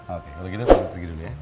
oke kalau gitu aku pergi dulu ya yuk